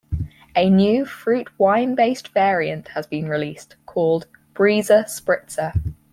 A new fruit wine-based variant has been released, called Breezer Spritzer.